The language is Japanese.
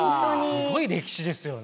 すごい歴史ですよね。